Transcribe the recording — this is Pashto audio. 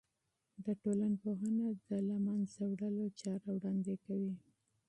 د ټولنپوهنه د له منځه وړلو چاره وړاندې کوي.